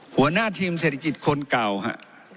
หัวหน้าทีมเศรษฐกิจคนเก่าฮะ